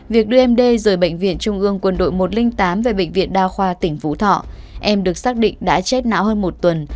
việc đưa em d rời bệnh viện trung ương quân đội một trăm linh tám về bệnh viện đa khoa tỉnh phú thọ em được xác định đã chết não hơn một tuần